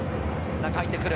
中に入ってくる。